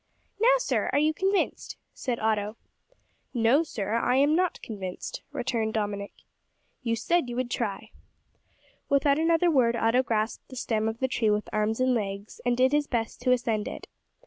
"Now, sir, are you convinced?" said Otto. "No, sir, I am not convinced," returned Dominick. "You said you would try." Without another word Otto grasped the stem of the tree with arms and legs, and did his best to ascend it.